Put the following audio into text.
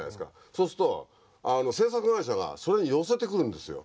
そうすると制作会社がそれに寄せてくるんですよ。